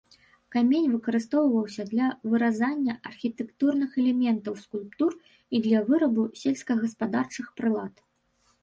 Камень выкарыстоўваўся для выразання архітэктурных элементаў скульптур і для вырабу сельскагаспадарчых прылад.